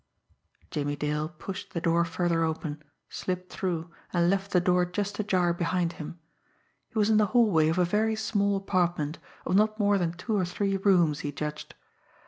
Jimmie Dale pushed the door further open, slipped through, and left the door just ajar behind him. He was in the hallway of a very small apartment, of not more than two or three rooms, he judged.